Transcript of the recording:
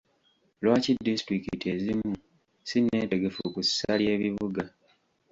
Lwaki disitulikiti ezimu sinnetegefu ku ssa ly'ebibuga?